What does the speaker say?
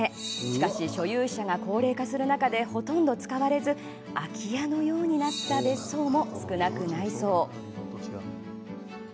しかし、所有者が高齢化する中でほとんど使われず空き家のようになった別荘も少なくないそう。